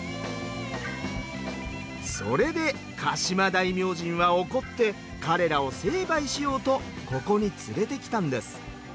それで鹿島大明神は怒って彼らを成敗しようとここに連れてきたんです。